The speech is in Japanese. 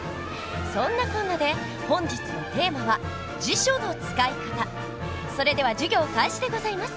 そんなこんなで本日のテーマはそれでは授業開始でございます。